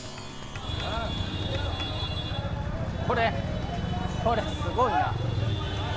これ、これ、すごいな。